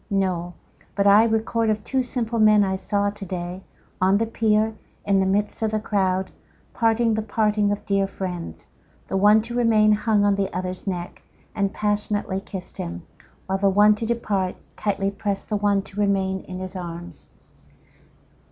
—No; But I record of two simple men I saw to day, on the pier, in the midst of the crowd, parting the parting of dear friends; The one to remain hung on the other's neck, and passionately kiss'd him, While the one to depart, tightly prest the one to remain in his arms.